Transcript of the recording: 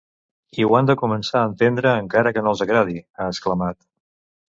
I ho han de començar a entendre encara que no els agradi, ha exclamat.